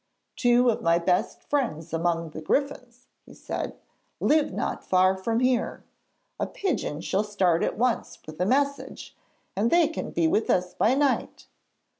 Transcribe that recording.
'Two of my best friends among the griffins,' he said, 'live not far from here. A pigeon shall start at once with a message, and they can be with us by night.'